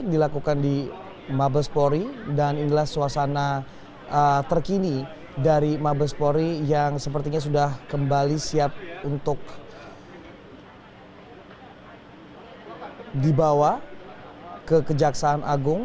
dan inilah suasana terkini dari mabespori yang sepertinya sudah kembali siap untuk dibawa ke kejaksaan agung